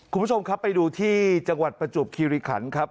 คุณผู้ชมครับไปดูที่จังหวัดประจวบคิริขันครับ